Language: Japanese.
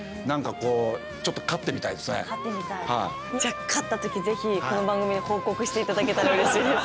じゃ勝った時是非この番組で報告していただけたらうれしいです。